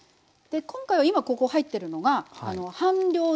今回は今ここ入ってるのが半量です。